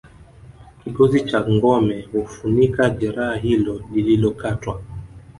kigozi cha ngombe hufunika jeraha hilo lililokatwa